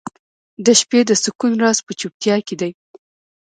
• د شپې د سکون راز په چوپتیا کې دی.